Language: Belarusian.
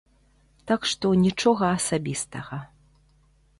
Так што нічога асабістага.